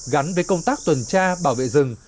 gắn với công tác tuần tra bảo vệ rừng